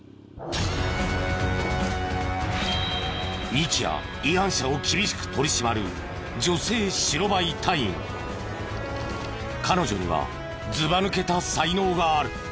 日夜違反者を厳しく取り締まる彼女にはずばぬけた才能がある。